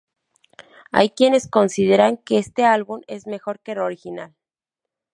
Hay quienes consideran que este álbum es mejor que el original.